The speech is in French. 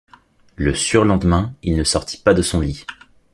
Le surlendemain, il ne sortit pas de son lit.